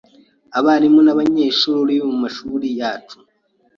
abarimu n’abanyeshuri bo mu mashuri yacu,